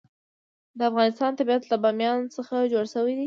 د افغانستان طبیعت له بامیان څخه جوړ شوی دی.